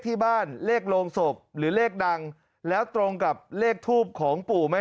ที่บ้านเลขโรงศพหรือเลขดังแล้วตรงกับเลขทูปของปู่ไหม